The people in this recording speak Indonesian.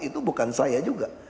itu bukan saya juga